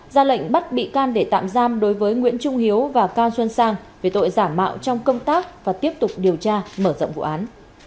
ra lệnh bắt bị can để tạm giam đối với nguyễn trung hiếu và cao xuân sang về tội giả mạo trong công tác và tiếp tục điều tra mở rộng vụ án